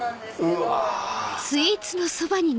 うわ！